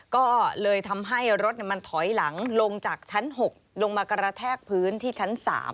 ก็เลยทำให้รถมันถอยหลังลงจากชั้น๖ลงมากระแทกพื้นที่ชั้น๓